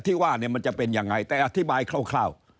ว่าเนี่ยมันจะเป็นยังไงแต่อธิบายคร่าว